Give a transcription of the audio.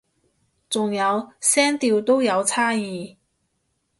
仲有聲調都有差異